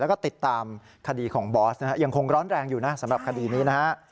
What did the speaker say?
และติดตามคดีของบอสยังคงร้อนแรงอยู่นะสำหรับคดีนี้